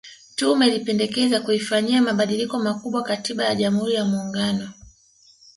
Tume ilipendekeza kuifanyia mabadiliko makubwa katiba ya Jamhuri ya Muungano